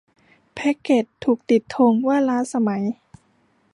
แพ็กเกจถูกติดธงว่าล้าสมัย